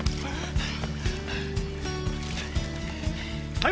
はい。